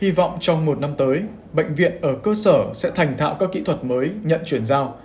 hy vọng trong một năm tới bệnh viện ở cơ sở sẽ thành thạo các kỹ thuật mới nhận chuyển giao